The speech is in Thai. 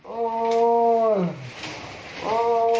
โอ้โอโอ้โอ้